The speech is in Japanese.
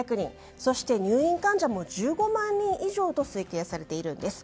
そして入院患者も１５万人以上と推計されているんです。